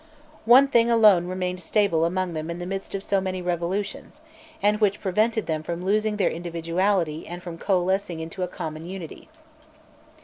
One thing alone remained stable among them in the midst of so many revolutions, and which prevented them from losing their individuality and from coalescing in a common unity.